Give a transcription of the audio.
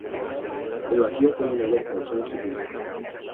El vacío fue llenado por Frankie Bo.